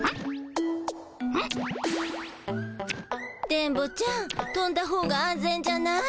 電ボちゃん飛んだほうが安全じゃない？